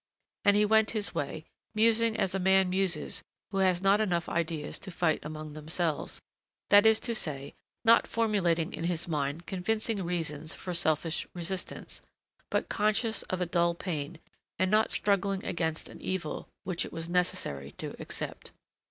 And he went his way, musing as a man muses who has not enough ideas to fight among themselves; that is to say, not formulating in his mind convincing reasons for selfish resistance, but conscious of a dull pain, and not struggling against an evil which it was necessary to accept.